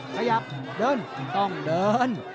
ขยับเดินต้องเดิน